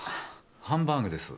ハンバーグです。